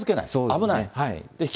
危ない。